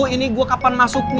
ini gue kapan masuknya